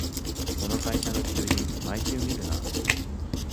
この会社の求人、毎週見るな